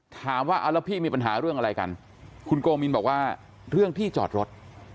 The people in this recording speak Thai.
ถามว่าเอาแล้วพี่มีปัญหาเรื่องอะไรกันคุณโกมินบอกว่าเรื่องที่จอดรถ